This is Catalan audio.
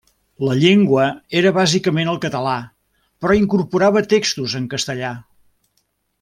La llengua era bàsicament el català, però incorporava textos en castellà.